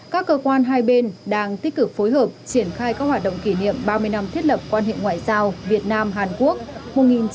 các cơ quan hai bên đang tích cực phối hợp triển khai các hoạt động kỷ niệm ba mươi năm thiết lập quan hệ ngoại giao việt nam hàn quốc một nghìn chín trăm chín mươi hai hai nghìn hai mươi hai